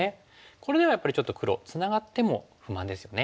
これではやっぱりちょっと黒つながっても不満ですよね。